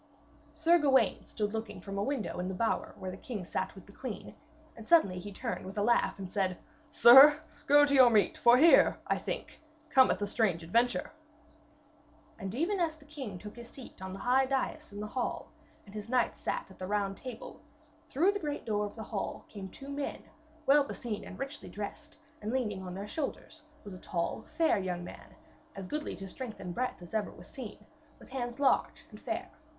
Sir Gawaine stood looking from a window in the bower where the king sat with the queen, and suddenly he turned with a laugh, and said: 'Sir, go to your meat, for here, I think, cometh a strange adventure.' And even as the king took his seat on the high dais in the hall, and his knights sat at the Round Table, through the great door of the hall came two men, well beseen and richly dressed, and, leaning on their shoulders, was a tall, fair, young man, as goodly to strength and breadth as ever was seen, with hands large and fair.